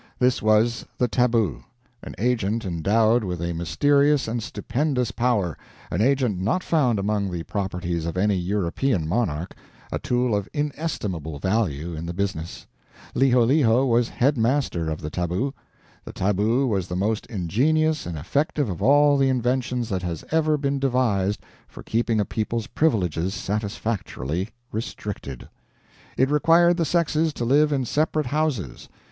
This was the tabu an agent endowed with a mysterious and stupendous power, an agent not found among the properties of any European monarch, a tool of inestimable value in the business. Liholiho was headmaster of the tabu. The tabu was the most ingenious and effective of all the inventions that has ever been devised for keeping a people's privileges satisfactorily restricted. It required the sexes to live in separate houses.